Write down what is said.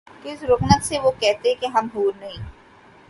کس رعونت سے وہ کہتے ہیں کہ ’’ ہم حور نہیں ‘‘